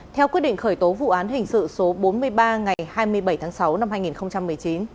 theo quyết định khởi tố vụ án hình sự số bốn mươi ba ngày hai mươi bảy tháng sáu năm hai nghìn một mươi chín